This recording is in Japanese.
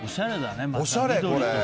おしゃれだね。